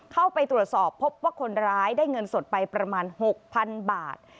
เข้าไปตรวจสอบพบว่าคนร้ายได้เงินสดไปประมาณ๖๐๐๐บาท